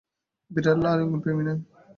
বিড়ালরা আলিঙ্গন প্রেমী নয়।